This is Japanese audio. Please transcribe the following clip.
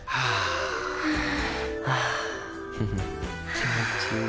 気持ちいい。